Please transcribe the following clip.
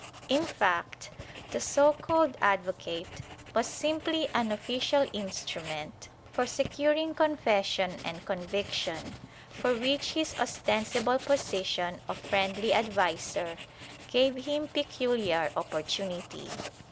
^ In fact, the so called advocate was simply an official instrument for securing confession and conviction, for which his ostensible position of friendly adviser gave him peculiar opportunity.